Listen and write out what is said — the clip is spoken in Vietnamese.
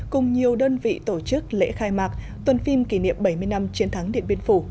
cùng nhiều đơn vị tổ chức lễ khai mạc tuần phim kỷ niệm bảy mươi năm chiến thắng điện biên phủ